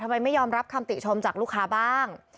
ไม่ยอมรับคำติชมจากลูกค้าบ้าง